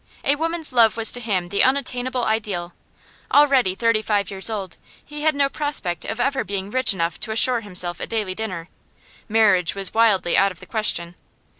A woman's love was to him the unattainable ideal; already thirty five years old, he had no prospect of ever being rich enough to assure himself a daily dinner; marriage was wildly out of the question.